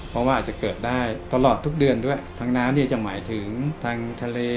เพราะว่าอาจจะเกิดได้ตลอดทุกเดือนด้วยทางน้ำเนี่ยจะหมายถึงทางทะเล